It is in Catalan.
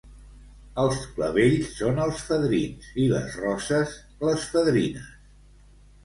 Els clavells són els fadrins i les roses, les fadrines.